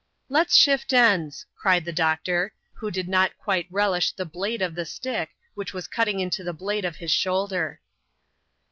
" Let's shift ends," cried the doctor, who did not quite relish the blade *of the stick, which was cutting into the blade of hi& shoulder.